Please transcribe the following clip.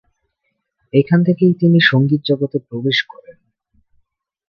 এখান থেকেই তিনি সংগীত জগতে প্রবেশ করেন।